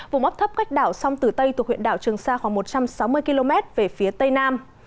vùng áp thấp cách đảo sông tử tây thuộc huyện đảo trường sa khoảng một trăm sáu mươi km về phía tây nam